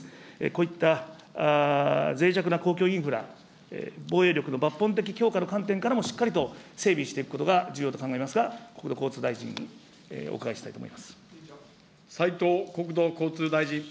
こういったぜい弱な公共インフラ、防衛力の抜本的強化の観点からも、しっかりと整備していくことが重要と考えますが、国土交通大臣にお伺いしたいと思います。